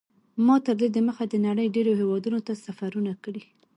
ما تر دې مخکې د نړۍ ډېرو هېوادونو ته سفرونه کړي.